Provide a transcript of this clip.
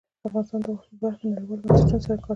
افغانستان د غوښې په برخه کې نړیوالو بنسټونو سره کار کوي.